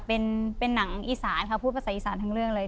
เป็นหนังอีสานค่ะพูดภาษาอีสานทั้งเรื่องเลย